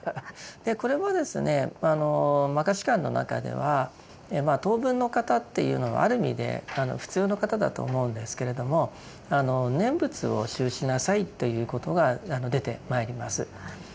これもですね「摩訶止観」の中では等分の方っていうのはある意味で普通の方だと思うんですけれども「念仏」を修しなさいということが出てまいります。